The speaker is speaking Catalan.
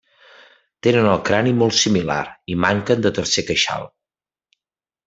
Tenen el crani molt similar i manquen de tercer queixal.